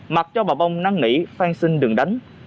mặc cho bà bông năng nỉ phan xin đừng đánh